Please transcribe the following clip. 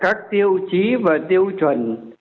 các tiêu chí và tiêu chuẩn